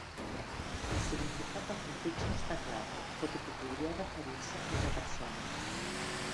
El significat del prefix no està clar, tot i que podria referir-se a una persona.